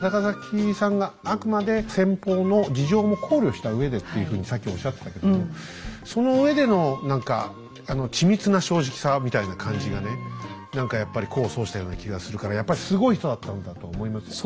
高碕さんがあくまで先方の事情も考慮したうえでっていうふうにさっきおっしゃってたけどそのうえでの何か緻密な正直さみたいな感じがね何かやっぱり功を奏したような気がするからやっぱりすごい人だったんだと思います。